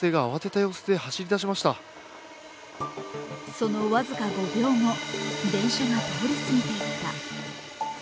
その僅か５秒後電車が通り過ぎていった。